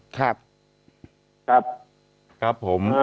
ครับ